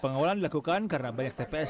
pengawalan dilakukan karena banyak tps